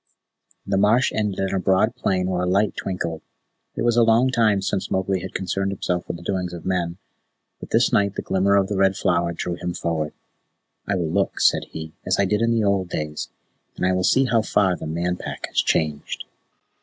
The marsh ended in a broad plain where a light twinkled. It was a long time since Mowgli had concerned himself with the doings of men, but this night the glimmer of the Red Flower drew him forward. "I will look," said he, "as I did in the old days, and I will see how far the Man Pack has changed."